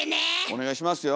お願いしますよ。